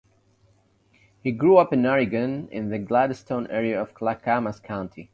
He grew up in Oregon, in the Gladstone area of Clackamas County.